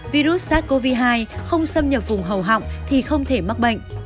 virus sars cov hai không xâm nhập vùng hầu họng thì không thể mắc bệnh